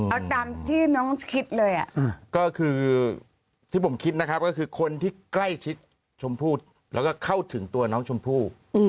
เอาตามที่น้องคิดเลยก็คือที่ผมคิดนะครับก็คือคนที่ใกล้ชิดชมพู่แล้วก็เข้าถึงตัวน้องชมพู่